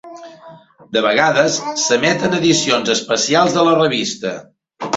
De vegades, s'emeten edicions especials de la revista.